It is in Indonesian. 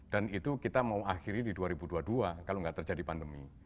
dan itu kita mau akhiri di dua ribu dua puluh dua kalau enggak terjadi pandemi